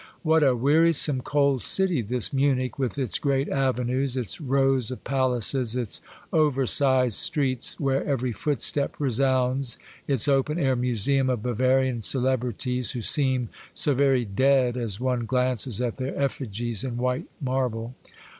What a weari some, cold city, this Munich, with its great avenues, its rows of palaces, its over sized streets, where every footstep resounds, its open air museum of Bavarian celebrities, who seem so very dead as one glances at their effigies in white marble.